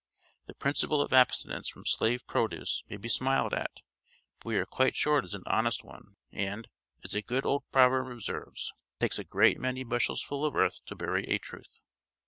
The principle of abstinence from slave produce may be smiled at, but we are quite sure it is an honest one, and, as a good old proverb observes, "It takes a great many bushels full of earth to bury a truth."